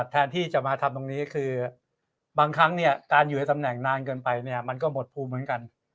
แทนที่จะมาทำตรงนี้คือบางครั้งเนี่ยการอยู่ในตำแหน่งนานเกินไปเนี่ยมันก็หมดภูมิเหมือนกัน